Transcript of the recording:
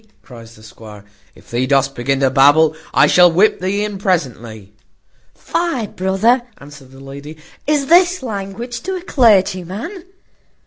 cries the squire: "if thee dost begin to babble, I shall whip thee in presently." "Fie, brother," answered the lady, "is this language to a clergyman?